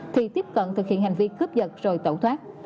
thì tiếp cận thực hiện hành vi cướp giật rồi tẩu thoát